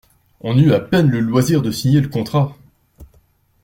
On eut à peine le loisir de signer le contrat.